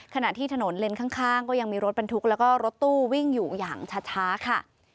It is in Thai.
ขณะที่ถนนเลนส์ข้างก็ยังมีรถบรรทุกแล้วก็รถตู้วิ่งอยู่อย่างช้าค่ะ